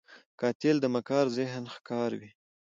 قاتل د مکار ذهن ښکار وي